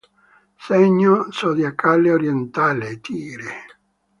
Segno zodiacale orientale: Tigre.